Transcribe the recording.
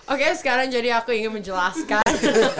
oke sekarang jadi aku ingin menjelaskan